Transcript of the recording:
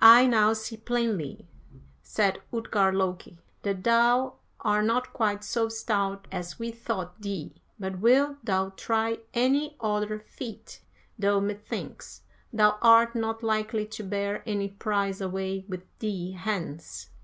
51. "'I now see plainly,' said Utgard Loki, 'that thou are not quite so stout as we thought thee, but wilt thou try any other feat, though, methinks, thou art not likely to bear any prize away with thee hence.'